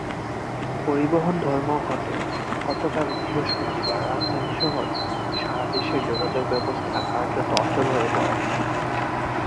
পরিবহন ধর্মঘটে গতকাল বৃহস্পতিবার রাজধানীসহ সারা দেশের যোগাযোগব্যবস্থা কার্যত অচল হয়ে পড়ে।